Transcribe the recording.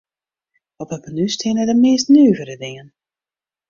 Op it menu steane de meast nuvere dingen.